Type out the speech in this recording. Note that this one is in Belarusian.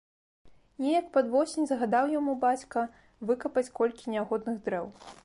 Неяк пад восень загадаў яму бацька выкапаць колькі нягодных дрэў.